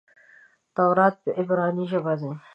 تورات په عبراني ژبه دئ.